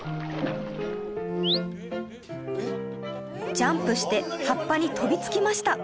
ジャンプして葉っぱに飛び付きました